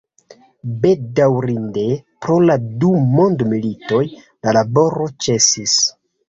Bedaŭrinde, pro la du mondmilitoj la laboro ĉesis.